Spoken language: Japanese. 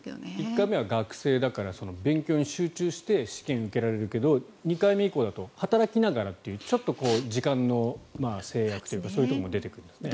１回目は学生だから勉強に集中して試験を受けられるけど２回目以降だと働きながらとかちょっと時間の制約というかそういうところも出てくるんですね。